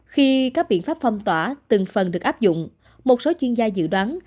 khi các biện pháp phong tỏa từng phần được áp dụng một số chuyên gia dự đoán